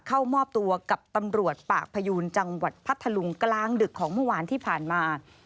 เข้ามอบตัวกับตำรวจปากพยูนจังหวัดพัทธลุงกลางดึกของเมื่อวานที่ผ่านมา